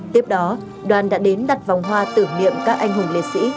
tiếp đó đoàn đã đến đặt vòng hoa tưởng niệm các anh hùng liệt sĩ